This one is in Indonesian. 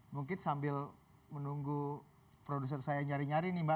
mungkin sambil menunggu produser saya nyari nyari nih mbak